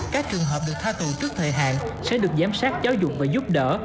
các trường hợp được tha tù trước thời hạn sẽ được giám sát giáo dục và giúp đỡ